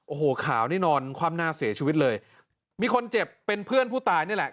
โอ้โหขาวนี่นอนคว่ำหน้าเสียชีวิตเลยมีคนเจ็บเป็นเพื่อนผู้ตายนี่แหละ